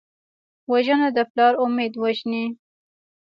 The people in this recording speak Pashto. وژنه د پلار امید وژني